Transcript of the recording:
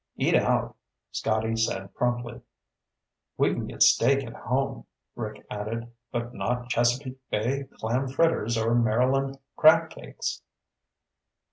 "Eat out," Scotty said promptly. "We can get steak at home," Rick added. "But not Chesapeake Bay clam fritters or Maryland crab cakes."